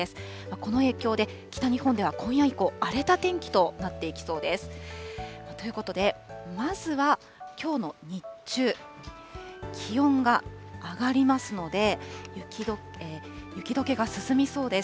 この影響で、北日本では今夜以降、荒れた天気となっていきそうです。ということで、まずはきょうの日中、気温が上がりますので、雪どけが進みそうです。